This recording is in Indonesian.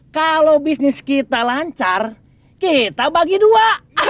kalau bisnis kita lancar kita bagi dua